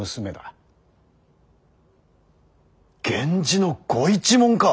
源氏のご一門か！